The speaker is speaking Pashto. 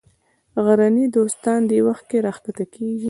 غرني دوستان دې وخت کې راکښته کېږي.